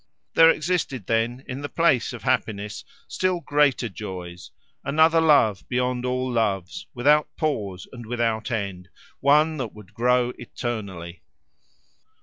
There existed, then, in the place of happiness, still greater joys another love beyond all loves, without pause and without end, one that would grow eternally!